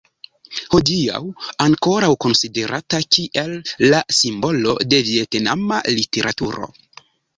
Hodiaŭ ankoraŭ konsiderata kiel la simbolo de vjetnama literaturo.